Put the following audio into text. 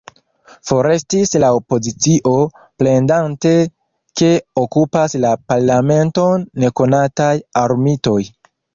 Forestis la opozicio, plendante, ke okupas la parlamenton nekonataj armitoj.